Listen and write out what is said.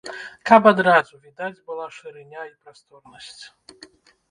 Каб адразу відаць была шырыня і прасторнасць.